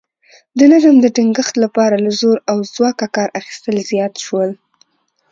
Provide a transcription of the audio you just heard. د نظم د ټینګښت لپاره له زور او ځواکه کار اخیستل زیات شول